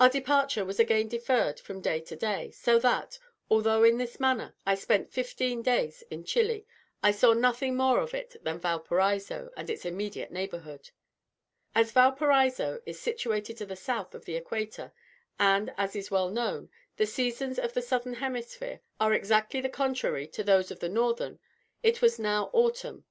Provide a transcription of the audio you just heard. Our departure was again deferred from day to day; so that, although, in this manner, I spent fifteen days in Chili, I saw nothing more of it than Valparaiso and its immediate neighbourhood. As Valparaiso is situated to the south of the Equator, and, as is well known, the seasons of the southern hemisphere are exactly the contrary of those of the northern, it was now autumn.